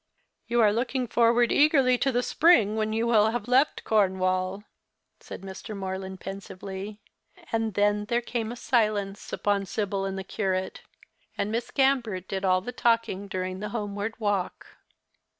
"You are looking forward eagerly to the spring, when you will have left Cornwall," said Mr. Morland, pensively ; and then there came a silence upon Sibyl and the curate, and Miss Gambert did all the talking during the homeward walk.